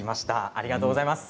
ありがとうございます。